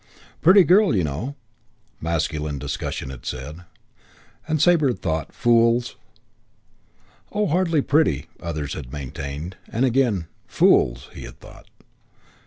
"Pretty girl, you know," masculine discussion had said; and Sabre had thought, "Fools!" "Oh, hardly pretty," others had maintained; and again "Fools!" he had thought.